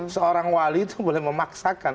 seorang wali itu boleh memaksakan